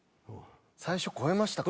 最初超えましたか？